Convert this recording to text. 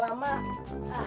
kayaknya ada yang ngeberes nih